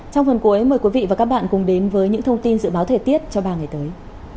trong phần cuối mời quý vị và các bạn cùng đến với những thông tin dự báo thời tiết cho ba ngày tới